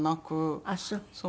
ああそう。